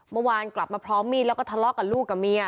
เมื่อวานกลับมาพร้อมมีดแล้วก็ทะเลาะกับลูกกับเมีย